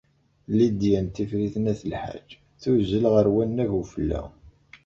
Lidya n Tifrit n At Lḥaǧ tuzzel ɣer wannag n ufella.